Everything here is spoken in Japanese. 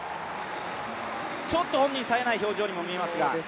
ちょっと本人さえない表情にも見えますが。